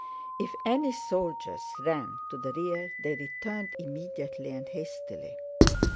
If any soldiers ran to the rear they returned immediately and hastily.